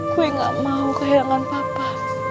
gue gak mau kehilangan papa